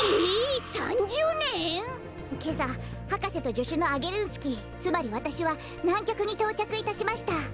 けさはかせとじょしゅのアゲルンスキーつまりわたしはなんきょくにとうちゃくいたしました。